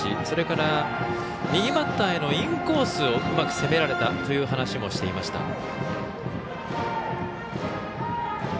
それから右バッターへのインコースをうまく攻められたという話もしていました。